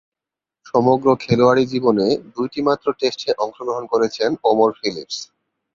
সমগ্র খেলোয়াড়ী জীবনে দুইটিমাত্র টেস্টে অংশগ্রহণ করেছেন ওমর ফিলিপস।